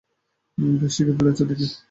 বেশ শিখে ফেলেছ দেখছি!